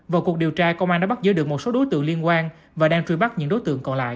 vào cuộc điều tra công an đã bắt giữ được một số đối tượng liên quan và đang truy bắt những đối tượng còn lại